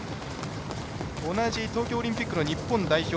同じ東京オリンピックの日本代表